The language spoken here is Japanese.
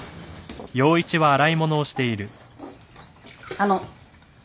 あの。